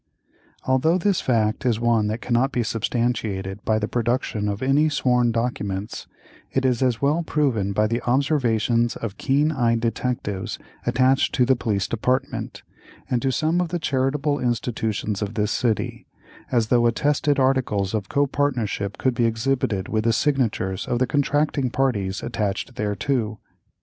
Although this fact is one that cannot be substantiated by the production of any sworn documents, it is as well proven by the observations of keen eyed detectives attached to the police department, and to some of the charitable institutions of this city, as though attested articles of co partnership could be exhibited with the signatures of the contracting parties attached thereto.